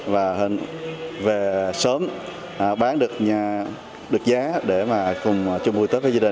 và về sớm bán được giá để cùng chung bắt